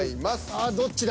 ああどっちだ。